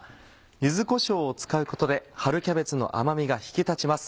柚子こしょうを使うことで春キャベツの甘みが引き立ちます。